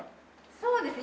そうですね。